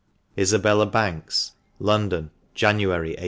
ISABELLA BANKS. London, January, 1876.